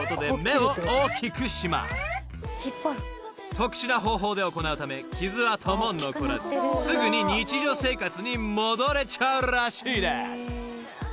［特殊な方法で行うため傷痕も残らずすぐに日常生活に戻れちゃうらしいです］